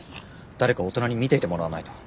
誰か大人に見ていてもらわないと。